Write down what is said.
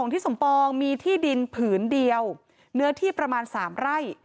ที่สมปองมีที่ดินผืนเดียวเนื้อที่ประมาณ๓ไร่